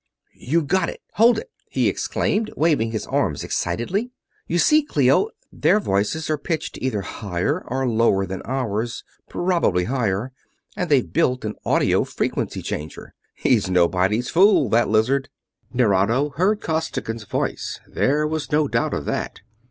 "You've got it hold it!" he exclaimed, waving his arms excitedly. "You see, Clio, their voices are pitched either higher or lower than ours probably higher and they've built an audio frequency changer. He's nobody's fool, that lizard!" Nerado heard Costigan's voice, there was no doubt of that.